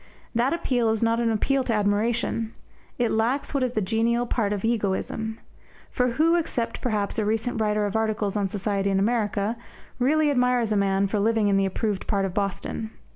That appeal is not an appeal to admiration it lacks what is the genial part of egoism. For who, except perhaps a recent writer of articles on society in America, really admires a man for living in the approved part of Boston?